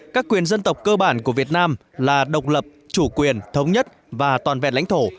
các quyền dân tộc cơ bản của việt nam là độc lập chủ quyền thống nhất và toàn vẹn lãnh thổ